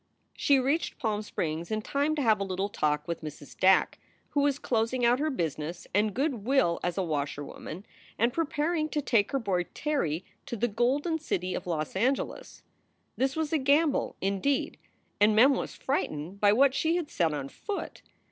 She reached Palm Springs in time to have a little talk with Mrs. Dack, who was closing out her business and good will as a washerwoman and preparing to take her boy Terry to the golden city of Los Angeles. This was a gamble, indeed, and Mem was frightened by what she had set on foot.